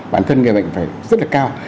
bản thân người bệnh phải rất là cao